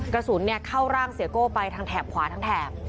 กระสุนเข้าร่างเสียโก้ไปทางแถบขวาทั้งแถบ